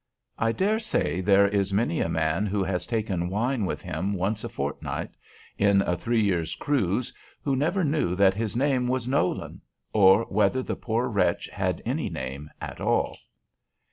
I dare say there is many a man who has taken wine with him once a fortnight, in a three years' cruise, who never knew that his name was "Nolan," or whether the poor wretch had any name at all.